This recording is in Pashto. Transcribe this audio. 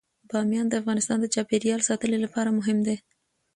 بامیان د افغانستان د چاپیریال ساتنې لپاره مهم دي.